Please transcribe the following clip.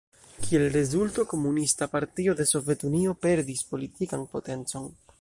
Kiel rezulto Komunista Partio de Sovetunio perdis politikan potencon.